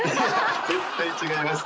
絶対違います。